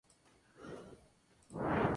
Pronto Nate y Chris comienzan una relación.